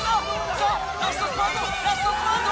さぁラストスパートラストスパート。